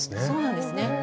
そうなんですね。